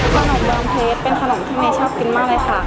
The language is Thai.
ขนมเดิมเพชรเป็นขนมที่เมย์ชอบกินมากเลยค่ะ